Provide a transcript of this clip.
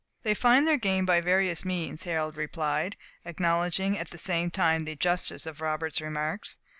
"They find their game by various means," Harold replied, acknowledging, at the same time, the justice of Robert's remarks.